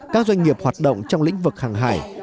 các doanh nghiệp hoạt động trong lĩnh vực hàng hải